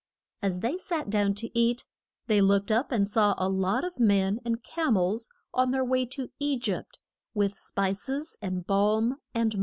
As they sat down to eat, they looked up and saw a lot of men and cam els on their way to E gypt, with spices, and balm and myrrh.